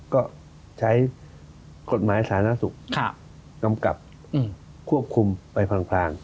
ก็ใช้กฎหมายสาธารณสุขกำกับควบคุมไปพลาง